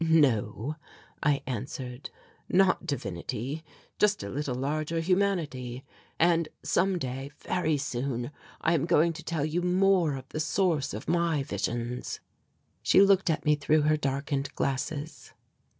"No," I answered; "not divinity, just a little larger humanity, and some day very soon I am going to tell you more of the source of my visions." She looked at me through her darkened glasses.